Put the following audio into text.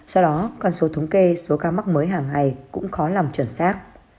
do đó còn số thống kê số ca mắc mới hàng ngày cũng khó làm chuẩn xác